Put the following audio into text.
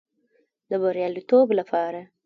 د بریالیتوب لپاره